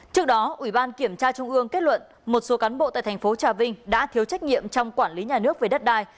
trước đó ủy ban kiểm tra trung ương kết luận một số cán bộ tại thành phố trà vinh đã thiếu trách nhiệm trong quản lý nhà nước về đất đai